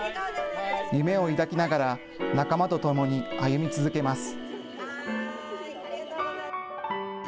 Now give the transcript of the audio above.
夢を抱きながら仲間とともに歩み続けます。